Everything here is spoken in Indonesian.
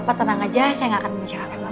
bapak tenang aja saya gak akan membicarakan bapak